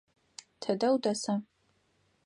Тыдэ удэса?